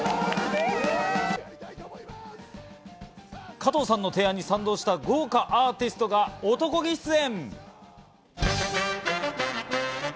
加藤さんの提案に賛同した豪華アーティストが男気出演。